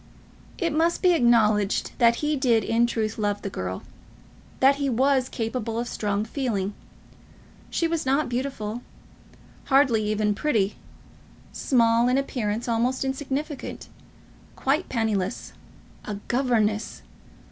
It must be acknowledged that he did, in truth, love the girl, that he was capable of a strong feeling. She was not beautiful, hardly even pretty, small, in appearance almost insignificant, quite penniless, a governess!